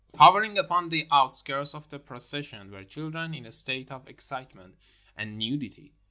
Hovering upon the out skirts of the procession were children in a state of ex citement and nudity.